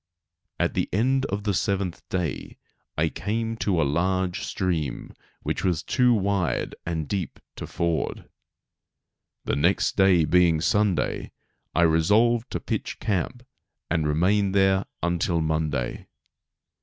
At the end of the seventh day I came to a large stream which was too wide and deep to ford. The next day being Sunday I resolved to pitch camp and remain there until Monday.